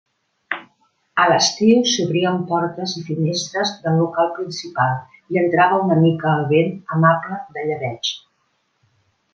A l'estiu s'obrien portes i finestres del local principal i entrava una mica el vent amable de llebeig.